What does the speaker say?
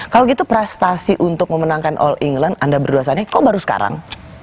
kalau gitu prestasi untuk memenangkan all england anda berdua saja kok baru sekarang